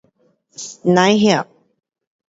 甭晓